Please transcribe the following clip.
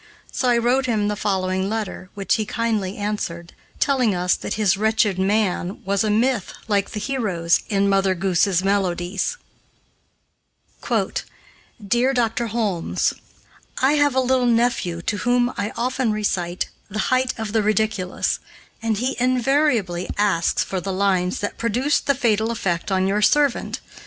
So I wrote him the following letter, which he kindly answered, telling us that his "wretched man" was a myth like the heroes in "Mother Goose's Melodies": "DEAR DR. HOLMES: "I have a little nephew to whom I often recite 'The Height of the Ridiculous,' and he invariably asks for the lines that produced the fatal effect on your servant.